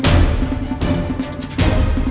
jangan jangan jangan jangan